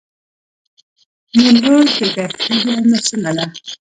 نیمروز د دښتې ګرمه سیمه ده